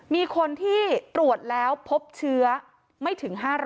มีคนที่ตรวจแล้วพบเชื้อไม่ถึง๕๐๐